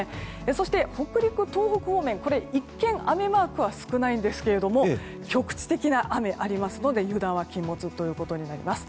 そして北陸、東北方面一見、雨マークは少ないですが局地的な雨がありますので油断は禁物です。